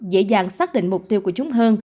dễ dàng xác định mục tiêu của chúng hơn